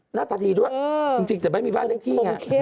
หน้าตะทีด้วยจริงแต่ไม่มีบ้านนึงค่ะเป็น้อย